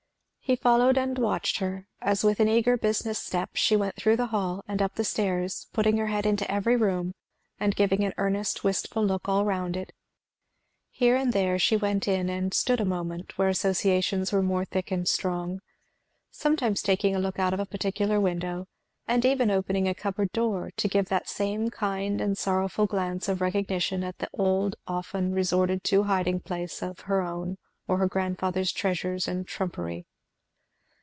He followed and watched her, as with an eager business step she went through the hall and up the stairs, putting her head into every room and giving an earnest wistful look all round it. Here and there she went in and stood a moment, where associations were more thick and strong; sometimes taking a look out of a particular window, and even opening a cupboard door, to give that same kind and sorrowful glance of recognition at the old often resorted to hiding place of her own or her grandfather's treasures and trumpery.